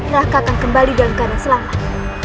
laka akan kembali dalam keadaan selamat